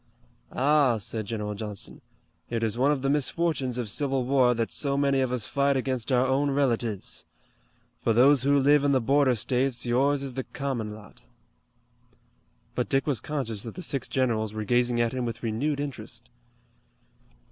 "Ah," said General Johnston, "it is one of the misfortunes of civil war that so many of us fight against our own relatives. For those who live in the border states yours is the common lot." But Dick was conscious that the six generals were gazing at him with renewed interest.